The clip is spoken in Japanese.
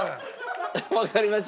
わかりました。